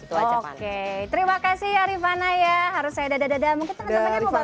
oke terima kasih ya rifana ya harus saya dadadada mungkin temen temennya mau bantai